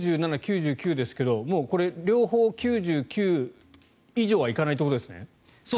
今、９７、９９ですけどもう両方、９９以上は行かないということですね。